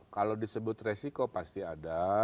kalau disebut resiko pasti ada